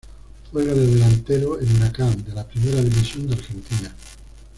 Juega de delantero en Huracán, de la Primera División de Argentina.